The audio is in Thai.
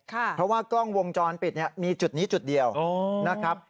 เพราะว่ากล้องวงจรปิดมีจุดนี้จุดเดียวนะครับ